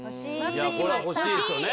これは欲しいっすよね